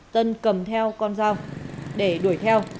tân cầm theo con dao để đuổi theo